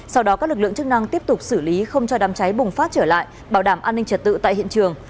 sau đó các lực lượng chức năng tiếp tục xử lý không cho đám cháy bùng phát trở lại bảo đảm an ninh trật tự tại hiện trường